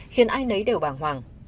khiến ai nấy đều bảng hoàng